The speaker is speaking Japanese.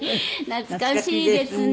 懐かしいですね。